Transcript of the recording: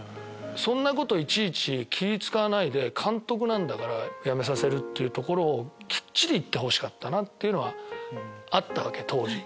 そんなことをいちいち気使わないで監督なんだからやめさせるってきっちり言ってほしかったなっていうのはあったわけ当時。